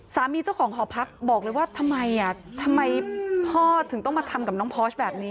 เจ้าของหอพักบอกเลยว่าทำไมอ่ะทำไมพ่อถึงต้องมาทำกับน้องพอร์ชแบบนี้